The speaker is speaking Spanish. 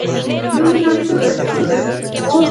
Fue su cuarto "super" oficial.